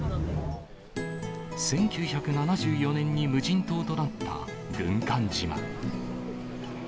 １９７４年に無人島となった軍艦島。